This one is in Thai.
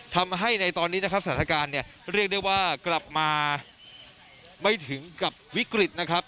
ทำให้ในตอนนี้นะครับสถานการณ์เนี่ยเรียกได้ว่ากลับมาไม่ถึงกับวิกฤตนะครับ